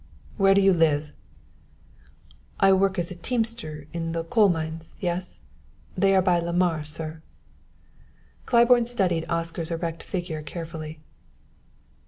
"Where do you live?" "I work as teamster in the coal mines yes? they are by Lamar, sir." Claiborne studied Oscar's erect figure carefully.